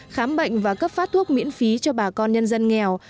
khám bệnh và cấp phát thuốc miễn phí cho bà con nhân dân nghèo